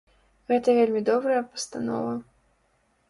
Гэта вельмі добрая пастанова.